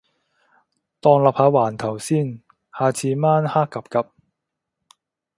當立下環頭先，下次晚黑 𥄫𥄫